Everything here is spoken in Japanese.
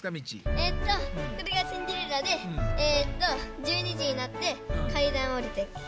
えっとこれがシンデレラでえっと１２じになってかいだんをおりて。